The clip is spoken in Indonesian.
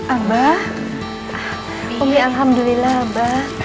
abah umi alhamdulillah abah